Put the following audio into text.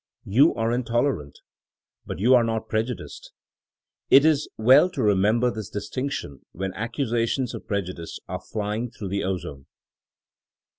You are intolerant. But you are not prejudiced. It is well to remem ber this distinction when accusations of preju dice are flying through the ozone.